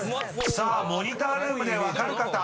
［さあモニタールームで分かる方］